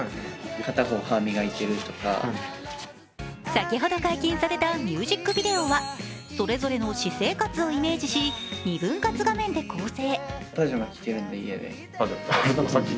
先ほど解禁されたミュージックビデオは、それぞれの私生活をイメージし２分割画面で構成。